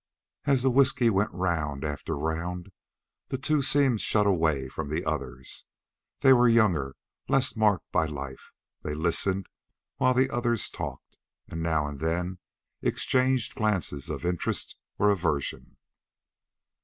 As the whisky went round after round the two seemed shut away from the others; they were younger, less marked by life; they listened while the others talked, and now and then exchanged glances of interest or aversion.